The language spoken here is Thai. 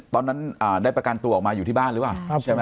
ตอนนั้นได้ประกันตัวออกมาอยู่ที่บ้านหรือว่า